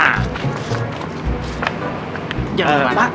jangan lupa pak